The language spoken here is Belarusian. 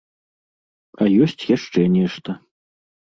А ёсць яшчэ нешта.